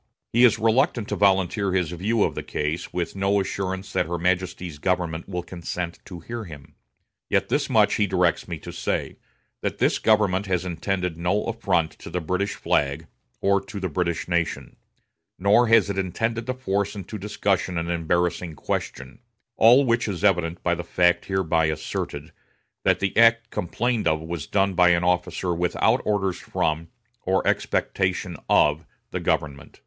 He is reluctant to volunteer his view of the case, with no assurance that her Majesty's government will consent to hear him; yet this much he directs me to say, that this government has intended no affront to the British flag, or to the British nation; nor has it intended to force into discussion an embarrassing question; all which is evident by the fact hereby asserted, that the act complained of was done by the officer without orders from, or expectation of, the government.